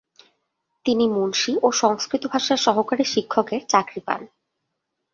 তিনি মুন্সি ও সংস্কৃত ভাষার সহকারী শিক্ষকের চাকরি পান।